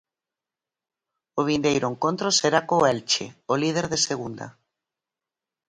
O vindeiro encontro será co Elche, o líder de Segunda.